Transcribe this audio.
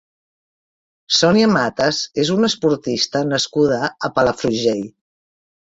Sònia Matas és una esportista nascuda a Palafrugell.